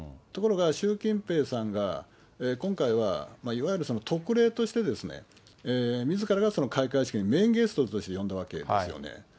ところが習近平さんが、今回は、いわゆる特例としてですね、みずからがその開会式にメインゲストとして呼んだわけですよね。